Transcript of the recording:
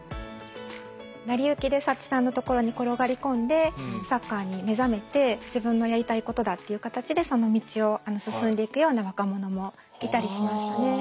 成り行きでサチさんのところに転がり込んでサッカーに目覚めて自分のやりたいことだっていう形でその道を進んでいくような若者もいたりしましたね。